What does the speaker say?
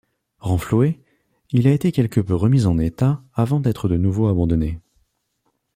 Renfloué, il a été quelque peu remis en état avant d'être de nouveau abandonné.